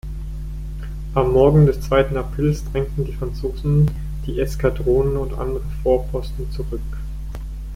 Am Morgen des zweiten Aprils drängten die Franzosen die Eskadronen und andere Vorposten zurück.